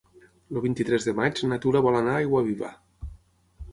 El vint-i-tres de maig na Tura vol anar a Aiguaviva.